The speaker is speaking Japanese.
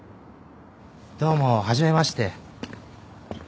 どうも初めまして。